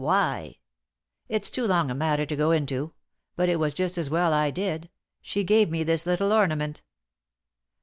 Why?" "It's too long a matter to go into. But it was just as well I did. She gave me this little ornament."